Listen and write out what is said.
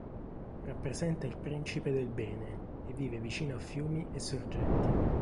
Rappresenta il principe del bene, e vive vicino a fiumi e sorgenti.